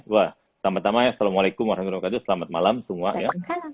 wah pertama tama ya assalamualaikum wr wb selamat malam semua ya